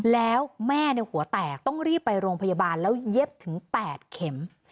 แล้วแม่หัวแตกต้องรีบไปโรงพยาบาลแล้วเย็บถึง๘เข็ม